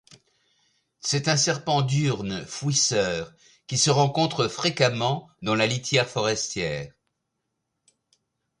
C'est un serpent diurne fouisseur qui se rencontre fréquemment dans la litière forestière.